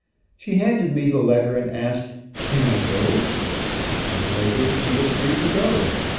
She handed me the letter, and asked: "Can I go?" I told, her she was free to go.